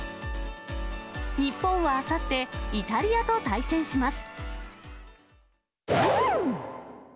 日本はあさって、イタリアと対戦します。